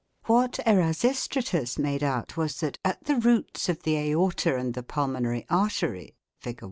What Erasistratus made out was that, at the roots of the aorta and the pulmonary artery (Fig.